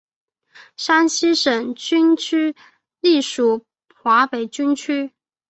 山西省军区隶属华北军区。